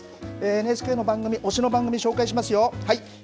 ＮＨＫの番組推しの番組紹介しますよ。